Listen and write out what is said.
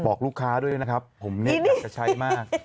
บอกลูกค้าด้วยนะครับผมเนี่ยอยากจะใช้มาก